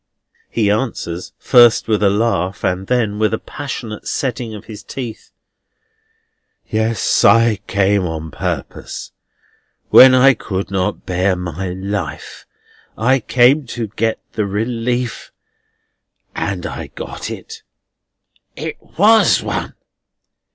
He answers first with a laugh, and then with a passionate setting of his teeth: "Yes, I came on purpose. When I could not bear my life, I came to get the relief, and I got it. It WAS one!